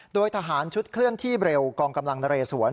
โดยทหารชุดเคลื่อนที่เร็วกองกำลังนเรสวน